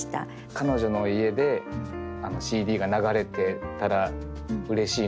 彼女の家でＣＤが流れてたらうれしいなって読んで思いました。